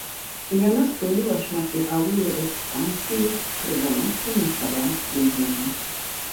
Яна спыніла шматвекавую экспансію крыжаносцаў на славянскія землі.